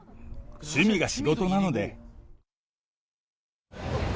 趣味が仕事なので。